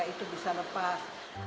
jadi kita bisa lepas